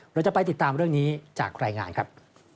เราจะไปติดตามเรื่องนี้จากรายงานครับ